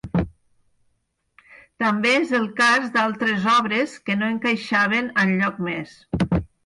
També és el cas d'altres obres que no encaixaven enlloc més.